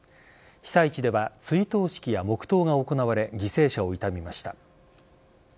被災地では追悼式や黙とうが行われ犠牲者を悼みました。